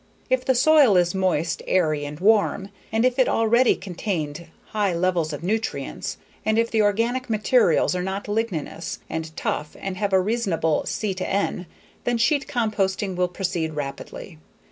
If the soil is moist, airy, and warm and if it already contained high levels of nutrients, and if the organic materials are not ligninous and tough and have a reasonable C/N, then sheet composting will proceed rapidly.